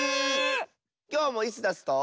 きょうもイスダスと。